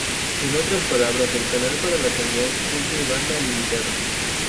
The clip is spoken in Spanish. En otras palabras, el canal para la señal es de banda limitada.